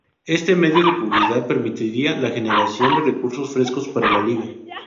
Este medio de publicidad permitirá la generación de recursos frescos para La Liga.